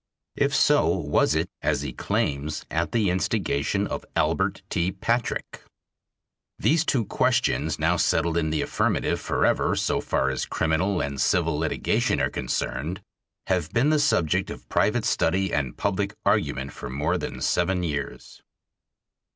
If so, was it, as he claims, at the instigation of Albert T. Patrick? These two questions, now settled in the affirmative forever, so far as criminal and civil litigation are concerned, have been the subject of private study and public argument for more than seven years.